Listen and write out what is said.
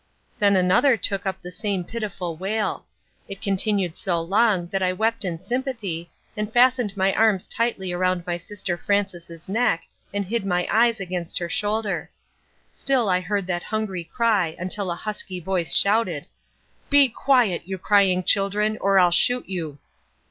Then another took up the same pitiful wail. It continued so long that I wept in sympathy, and fastened my arms tightly around my sister Frances' neck and hid my eyes against her shoulder. Still I heard that hungry cry, until a husky voice shouted, "Be quiet, you crying children, or I'll shoot you."